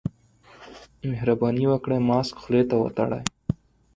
مهرباني وکړئ، ماسک خولې ته وتړئ.